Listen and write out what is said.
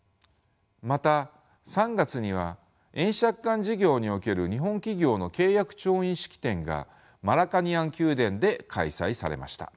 また３月には円借款事業における日本企業の契約調印式典がマラカニアン宮殿で開催されました。